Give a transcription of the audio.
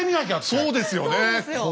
そうですよ。